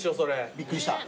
びっくりした？